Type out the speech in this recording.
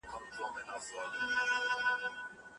اقتصادي پرمختيا تر ساده ودي ډېره پراخه ده.